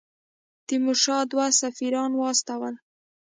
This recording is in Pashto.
تیمورشاه دوه سفیران واستول.